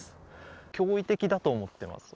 驚異的だと思っています。